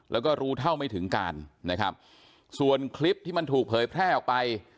แล้วก็รู้เท่าไม่ถึงการนะครับส่วนคลิปที่มันถูกเผยแพร่ออกไป